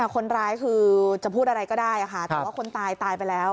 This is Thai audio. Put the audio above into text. คนร้ายคือจะพูดอะไรก็ได้แต่ว่าคนตายตายไปแล้ว